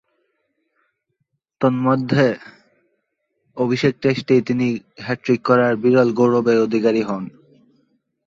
তন্মধ্যে, অভিষেক টেস্টেই তিনি হ্যাট্রিক করার বিরল গৌরবের অধিকারী হন।